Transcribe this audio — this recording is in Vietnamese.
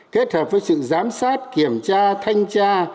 kết hợp với sự giám sát kiểm tra thanh tra